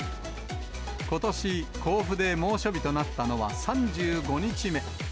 ことし、甲府で猛暑日となったのは３５日目。